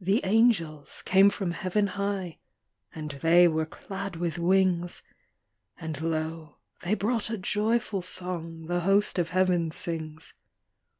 The angels came from heaven high, And they were clad with wings; And lo, they brought a joyful song The host of heaven sings.